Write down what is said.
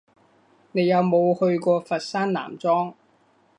你有冇去過佛山南莊？